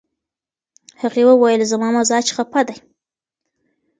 هغې وویل، "زما مزاج خپه دی."